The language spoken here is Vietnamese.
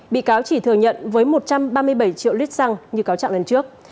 bị cáo chỉ thừa nhận với một trăm ba mươi bảy triệu lít xăng như cáo trạng lần trước